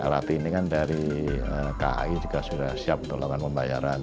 lrt ini kan dari kai juga sudah siap untuk melakukan pembayaran